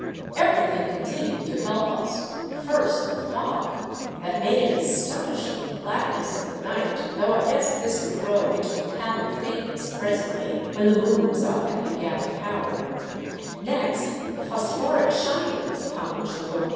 Everything continued to help us : first the fog, that made an astonishing blackness of the night, though I guessed this would grow into a pallid faintness presently, when the moon was up and had gathered power ; next the phosphoric shinings upon which the boat 492 THE DEATH SHIP.